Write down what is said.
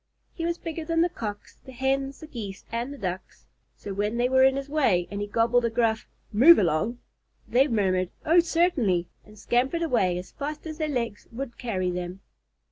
He was bigger than the Cocks, the Hens, the Geese, and the Ducks, so when they were in his way and he gobbled a gruff "Move along," they murmured "Oh, certainly," and scampered away as fast as their legs would carry them.